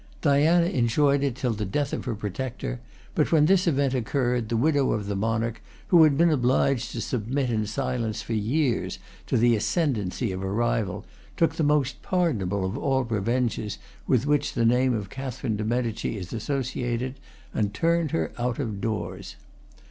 Diana enjoyed it till the death of her protector; but when this event oc curred, the widow of the monarch, who had been obliged to submit in silence, for years, to the ascend ency of a rival, took the most pardonable of all the revenges with which the name of Catherine de' Medici is associated, and turned her out of doors.